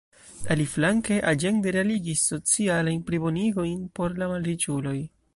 Aliflanke Allende realigis socialajn plibonigojn por la malriĉuloj.